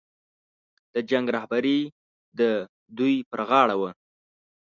د جنګ رهبري د دوی پر غاړه وه.